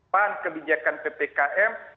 peran kebijakan ppkm